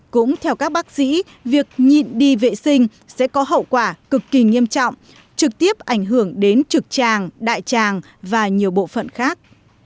cũng theo các bác sĩ việc nhịn đi vệ sinh sẽ có hậu quả cực kỳ nghiêm trọng trực tiếp ảnh hưởng đến trực tràng đại tràng và nhiều bộ phận khác